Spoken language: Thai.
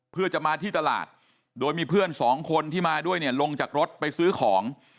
เพื่อจะมาที่ตลาดโดยมีเพื่อนสองคนที่มาด้วยเนี่ยลงจากรถไปซื้อของ